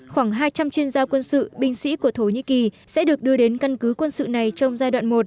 khoảng hai trăm linh chuyên gia quân sự binh sĩ của thổ nhĩ kỳ sẽ được đưa đến căn cứ quân sự này trong giai đoạn một